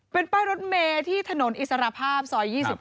เป็นป้ายรถเมที่ถนนอิสรภาพซอย๒๙